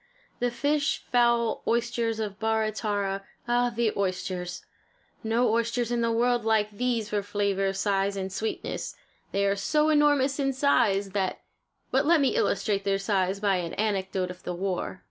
The fish, fowl, oysters of Barra Tarra ah, the oysters! No oysters in the world like these for flavor, size and sweetness. They are so enormous in size that but let me illustrate their size by an anecdote of the war.